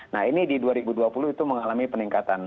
nah ini di dua ribu dua puluh itu mengalami peningkatan